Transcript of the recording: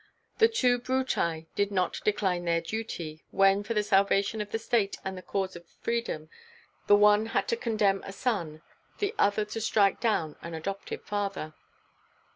The two Bruti did not decline their duty, when for the salvation of the state and the cause of freedom, the one had to condemn a son, the other to strike down an adoptive father."